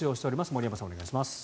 森山さん、お願いします。